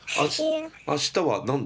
明日は何で？